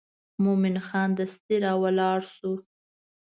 مومن خان دستي راولاړ شو.